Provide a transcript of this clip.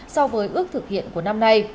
so với ước thực hiện của năm nay